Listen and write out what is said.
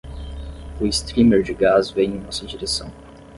O streamer de gás veio em nossa direção.